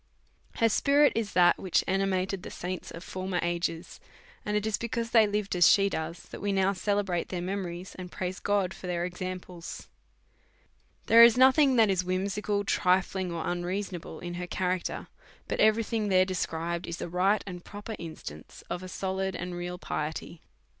Her spirit is that which animated the saints of for mer ages ; and it is because they lived as she does that we now celebrate their memories, and praise God for their examples. There is nothing that is whimsical, trifling, or un reasonable in her character, but every thing there is described in a right and proper instance of a solid and real piety.